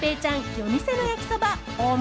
夜店の焼そば大盛